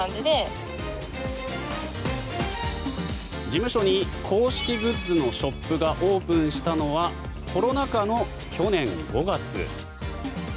事務所に公式グッズのショップがオープンしたのはコロナ禍の去年５月。